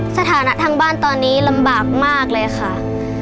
สถานะทางบ้านตอนนี้ลำบากมากเลยค่ะ